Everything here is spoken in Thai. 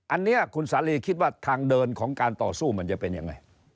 อันนี้คุณสาลีคิดว่าทางเดินของการต่อสู้มันจะเป็นยังไง